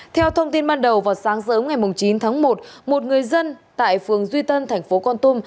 theo thông tin ban đầu vào sáng sớm ngày chín tháng một một người dân tại phường duy tân tp hcm